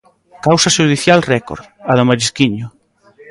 Causa xudicial récord, a do Marisquiño.